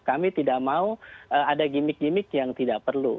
kami tidak mau ada gimmick gimmick yang tidak perlu